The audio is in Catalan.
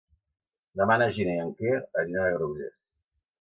Demà na Gina i en Quer aniran a Granollers.